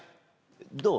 どう？